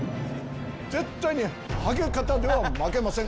絶対にはげ方では負けません。